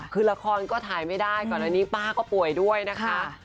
คือละครก็ถ่ายไม่ได้ก่อนอันนี้ป้าก็ป่วยด้วยนะคะ